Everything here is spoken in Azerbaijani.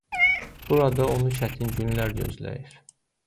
Burada onu çətin günlər gözləyir.